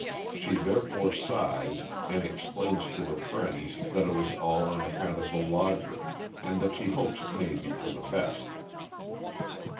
She therefore sighs, and explains to her friends that it was all on account of the lodger, and that she hopes it may be for the best.